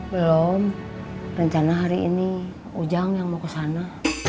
belum rencana hari ini ujang yang mau kesana